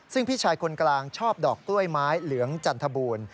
ซึ่งพี่ชายคนกลางชอบดอกกล้วยไม้เหลืองจันทบูรณ์